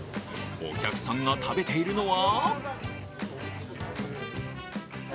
お客さんが食べているのは？